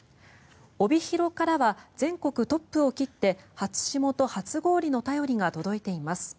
帯広からは全国トップを切って初霜と初氷の便りが届いています。